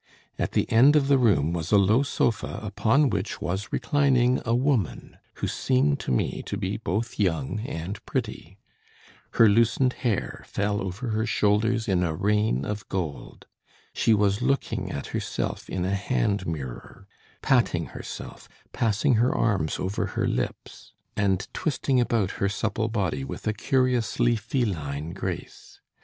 At the end of the room was a low sofa upon which was reclining a woman who seemed to me to be both young and pretty. Her loosened hair fell over her shoulders in a rain of gold. She was looking at herself in a hand mirror, patting herself, passing her arms over her lips, and twisting about her supple body with a curiously feline grace.